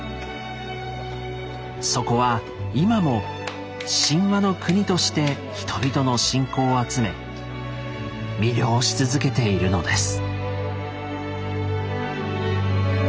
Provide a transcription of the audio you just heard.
そこは今も「神話の国」として人々の信仰を集め魅了し続けているのです。